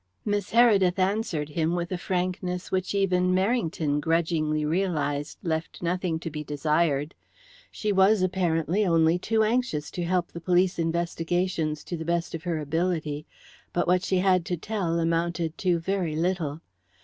Miss Heredith answered him with a frankness which even Merrington grudgingly realized left nothing to be desired. She was, apparently, only too anxious to help the police investigations to the best of her ability. But what she had to tell amounted to very little.